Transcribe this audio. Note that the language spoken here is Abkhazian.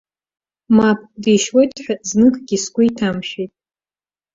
Мап, дишьуеит ҳәа зныкгьы сгәы иҭамшәеит.